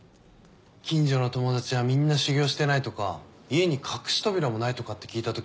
近所の友達はみんな修行してないとか家に隠し扉もないとかって聞いたときはマジで驚いたよ。